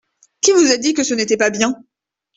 Qui vous a dit que ce n’était pas bien ?